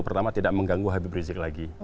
pertama tidak mengganggu habib rizik lagi